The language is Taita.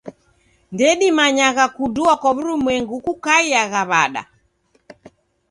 Ndedimanyagha kudua kwa w'urumwengu kukaiagha w'ada.